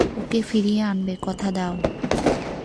ওকে ফিরিয়ে আনবে কথা দাও!